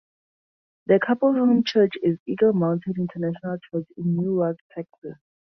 The couple's home church is Eagle Mountain International Church in Newark, Texas.